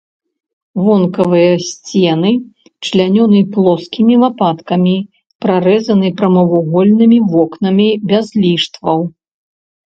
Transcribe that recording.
Вонкавыя сцены члянёны плоскімі лапаткамі, прарэзаны прамавугольнымі вокнамі без ліштваў.